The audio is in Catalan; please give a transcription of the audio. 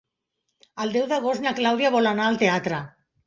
El deu d'agost na Clàudia vol anar al teatre.